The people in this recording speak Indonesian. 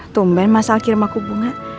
tumben masal kirim aku bunga